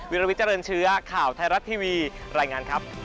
ลวิเจริญเชื้อข่าวไทยรัฐทีวีรายงานครับ